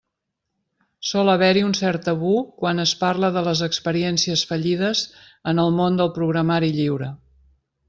Sol haver-hi un cert tabú quan es parla de les experiències fallides en el món del programari lliure.